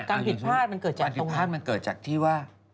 การผิดพลาดมันเกิดจากที่ว่า